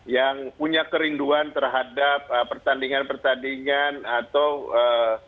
yang punya kerinduan terhadap pertandingan pertandingan atau eee